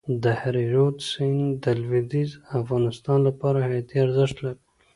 د هریرود سیند د لوېدیځ افغانستان لپاره حیاتي ارزښت لري.